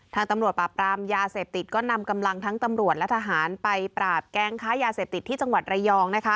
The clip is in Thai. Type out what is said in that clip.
ทางตำรวจปราบปรามยาเสพติดก็นำกำลังทั้งตำรวจและทหารไปปราบแก๊งค้ายาเสพติดที่จังหวัดระยอง